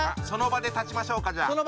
その場で立ちましょうかじゃあ。